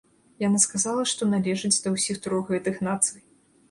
Яна сказала, што належыць да ўсіх трох гэтых нацый.